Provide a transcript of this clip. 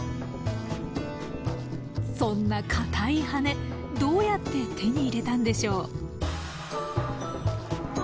そんな硬い羽どうやって手に入れたんでしょう？